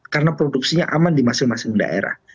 karena produksinya aman di masing masing daerah